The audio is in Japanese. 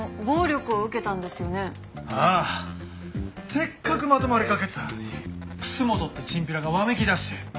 せっかくまとまりかけてたのに楠本ってチンピラがわめきだして。